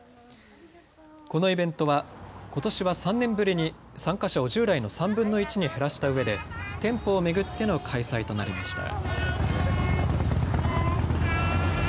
このイベントは、ことしは３年ぶりに参加者を従来の３分の１に減らしたうえで店舗を巡っての開催となりました。